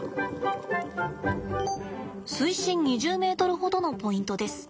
水深２０ｍほどのポイントです。